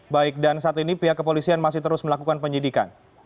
baik dan saat ini pihak kepolisian masih terus melakukan penyidikan